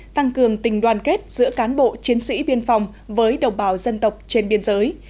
tăng cường tình đoàn kết giữa cán bộ chiến sĩ biên phòng với đồng bào dân tộc trên biên giới